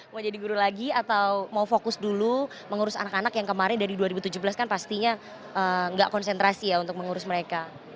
mau jadi guru lagi atau mau fokus dulu mengurus anak anak yang kemarin dari dua ribu tujuh belas kan pastinya nggak konsentrasi ya untuk mengurus mereka